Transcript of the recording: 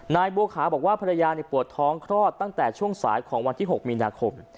นายบัวขาบอกว่าภรรยาปวดท้องคลอดตั้งแต่ช่วงสายของวันที่๖มีนาคม